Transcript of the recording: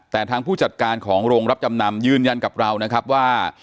แต่ทางผู้จัดการของโรงรับจำนำยืนยันกับเรานะครับว่า